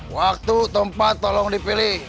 waktu tempat tolong dipilih